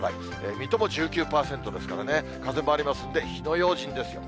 水戸も１９％ですからね、風もありますので、火の用心です。